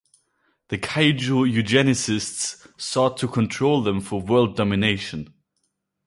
The Kaiju Eugenicists sought to control them for world domination.